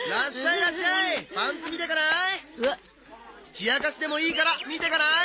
冷やかしでもいいから見てかない？